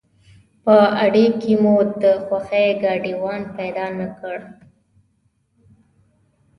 په اډې کې مو د خوښې ګاډیوان پیدا نه کړ.